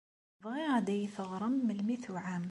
Bɣiɣ ad iyi-d-teɣrem melmi tuɛam.